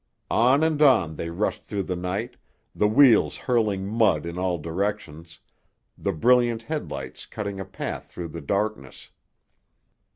On and on they rushed through the night, the wheels hurling mud in all directions, the brilliant headlights cutting a path through the darkness.